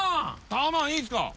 タマンいいですか？